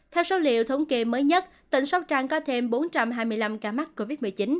theo số liệu thống kê mới nhất tỉnh sóc trăng có thêm bốn trăm hai mươi năm ca mắc covid một mươi chín